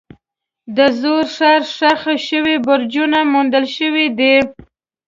د زوړ ښار ښخ شوي برجونه موندل شوي دي.